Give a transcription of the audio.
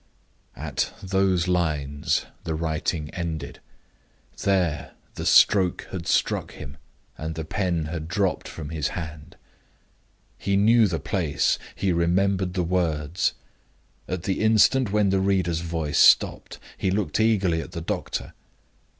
At those lines the writing ended. There the stroke had struck him, and the pen had dropped from his hand. He knew the place; he remembered the words. At the instant when the reader's voice stopped, he looked eagerly at the doctor.